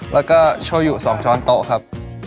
แล้วก็โชยุ๒ช้อนโต๊ะครับ